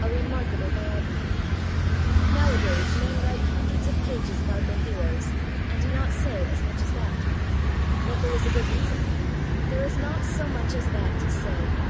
A RE^IARKABLE biography ! Nowadays men write hundreds of pages about their heroes, and do not say as much as that. But there is a good reason. There is not so much as that to say.